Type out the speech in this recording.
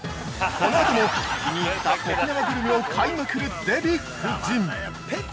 ◆このあとも、気に入った沖縄グルメを買いまくるデヴィ夫人◆